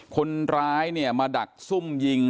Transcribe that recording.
คนร้ายดักซุ่มยิง